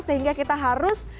sehingga kita harus menempatkan